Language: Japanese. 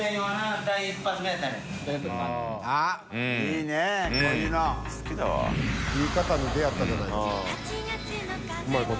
いい方に出会ったじゃないですか。